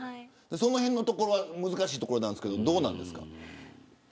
そのへんのところは難しいところなんですけどどうなんですか。